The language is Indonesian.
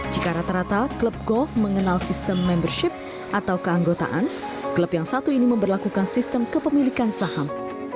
jika rata rata klub golf mengenal sistem membership atau keanggotaan klub yang satu ini memperlakukan sistem kepemilikan saham